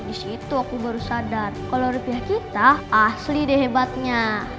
di situ aku baru sadar kalau rupiah kita asli deh hebatnya